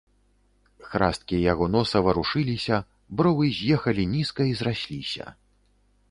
Храсткі яго носа варушыліся, бровы з'ехалі нізка і зрасліся.